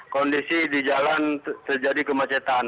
kondisi di jalan terjadi kemacetan